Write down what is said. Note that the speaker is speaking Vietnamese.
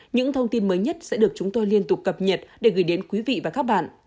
những thông tin mới nhất sẽ được chúng tôi liên tục cập nhật để gửi đến quý vị và các bạn